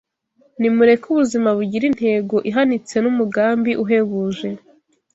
nimureke ubuzima bugire intego ihanitse n’umugambi uhebuje